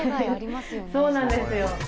そうなんですよ。